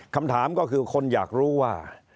คำถามก็คือคนอยากรู้ว่า